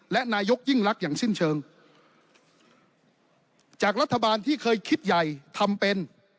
และนายกยิ่งรักอย่างสิ้นเชิงจากรัฐบาลที่เคยคิดใหญ่ทำเป็น